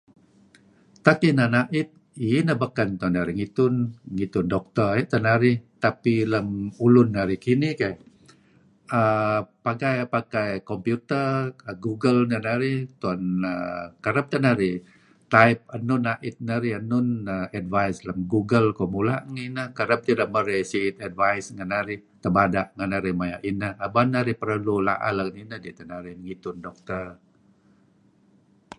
Tak inan a'it, iih neh beken tu'en narih ngitun? Ngitun doktor ayu' teh narih. Tapi lem ulun narih kinin keyh, {aaa...] pakai, pakai komputer, google neh narih. Tu'en, err kereb teh narih type enun a'it narih, enun advice lem google ko'. Mula' nineh. Kereb tideh merey si'it advice ngen narih, tebada' ngen narih maya' ineh. Aban narih perlu la'eh let ngen ineh kidih teh narih ngitun let ngen doktor.